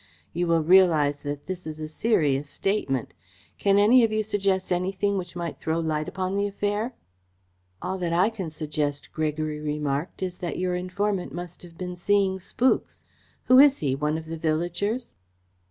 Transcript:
You will realise that this is a serious statement. Can any of you suggest anything which might throw light upon the affair?" "All that I can suggest," Gregory remarked, "is that your informant must have been seeing spooks. Who is he? One of the villagers?"